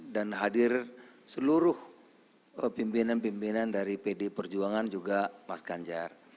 dan hadir seluruh pimpinan pimpinan dari pd perjuangan juga mas ganjar